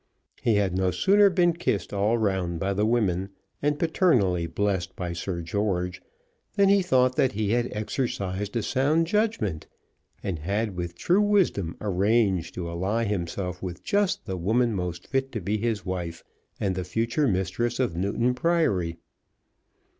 He had no sooner been kissed all round by the women, and paternally blessed by Sir George, than he thought that he had exercised a sound judgment, and had with true wisdom arranged to ally himself with just the woman most fit to be his wife, and the future mistress of Newton Priory.